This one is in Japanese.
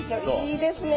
いいですね。